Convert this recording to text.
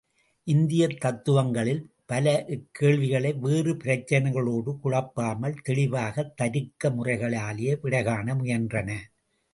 இந்தியத் தத்துவங்களில் பல இக்கேள்விகளைவேறு பிரச்சினைகளோடு குழப்பாமல், தெளிவாகத் தருக்க முறைகளாலேயே விடைகாண முயன்றன.